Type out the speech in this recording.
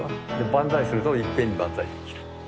万歳するといっぺんに万歳できる。